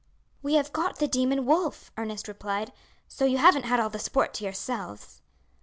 "We have got the demon wolf," Ernest replied; "so you haven't had all the sport to yourselves."